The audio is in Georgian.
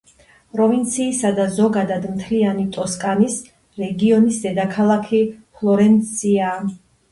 პროვინციისა და ზოგადად მთლიანი ტოსკანის რეგიონის დედაქალაქია ფლორენცია.